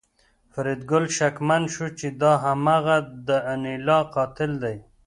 فریدګل شکمن شو چې دا هماغه د انیلا قاتل دی